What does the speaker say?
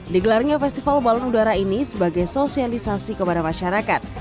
digelarnya festival balon udara ini sebagai sosialisasi kepada masyarakat